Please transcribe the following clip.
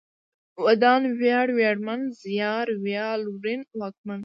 ودان ، وياړ ، وياړمن ، زيار، ويال ، ورين ، واکمن